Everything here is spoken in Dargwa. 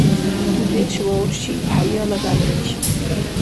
Дудеш ва урши – хӏяяла дякьличиб